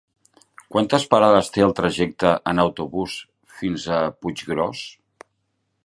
Quantes parades té el trajecte en autobús fins a Puiggròs?